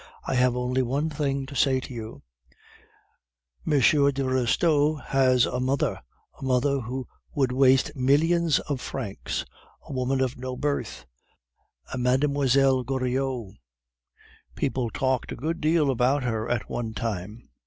I have only one thing to say to you. M. de Restaud has a mother, a mother who would waste millions of francs; a woman of no birth, a Mlle. Goriot; people talked a good deal about her at one time.